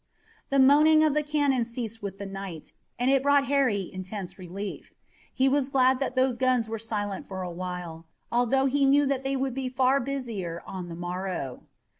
The moaning of the cannon ceased with the night, and it brought Harry intense relief. He was glad that those guns were silent for a while, although he knew that they would be far busier on the morrow.